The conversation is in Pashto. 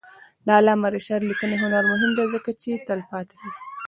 د علامه رشاد لیکنی هنر مهم دی ځکه چې تلپاتې دی.